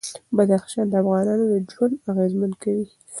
بدخشان د افغانانو ژوند اغېزمن کوي.